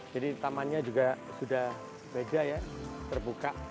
jadi tamannya juga sudah beza ya terbuka